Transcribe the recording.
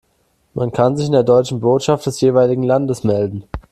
Man kann sich in der deutschen Botschaft des jeweiligen Landes melden.